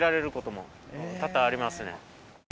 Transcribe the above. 多々ありますね。